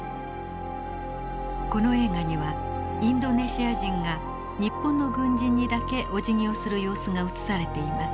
この映画にはインドネシア人が日本の軍人にだけおじぎをする様子が映されています。